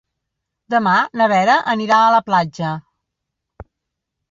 Demà na Vera anirà a la platja.